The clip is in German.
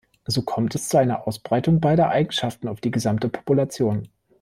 So kommt es zu einer Ausbreitung beider Eigenschaften auf die gesamte Population.